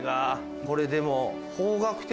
これでも。